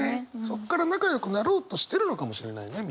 そこから仲良くなろうとしてるのかもしれないね